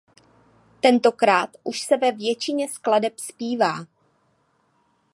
Tentokrát už se ve většině skladeb zpívá.